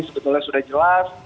sebetulnya sudah jelas